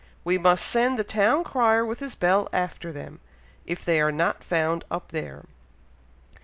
We must send the town crier with his bell after them, if they are not found up there!"